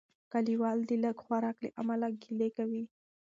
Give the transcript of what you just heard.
کلیوال د لږ خوراک له امله ګیلې کوي.